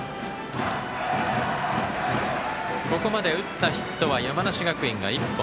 ここまで打ったヒットは山梨学院が１本。